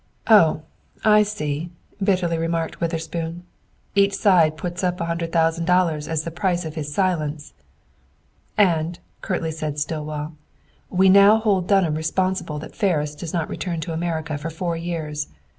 "Oh! I see," bitterly remarked Witherspoon. "Each side puts up a hundred thousand dollars as the price of his silence!" "And," curtly said Stillwell, "we now hold Dunham responsible that Ferris does not return to America for four years.